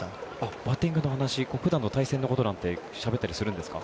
バッティングの話普段の対戦のことなんてしゃべったりするんですか？